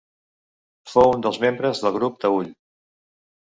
Fou un dels membres del Grup Taüll.